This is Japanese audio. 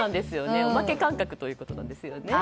おまけ感覚ということなんですね。